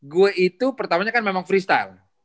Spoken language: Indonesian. gue itu pertamanya kan memang freestyle